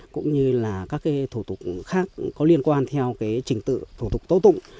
cũng như là các thủ tục khác có liên quan theo trình tự thủ tục tố tụng